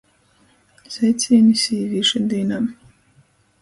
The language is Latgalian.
Sveicīni Sīvīšu dīnā!